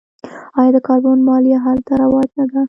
آیا د کاربن مالیه هلته رواج نه ده؟